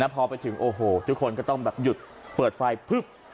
พอไปถึงโอ้โหทุกคนก็ต้องแบบหยุดเปิดไฟพึบ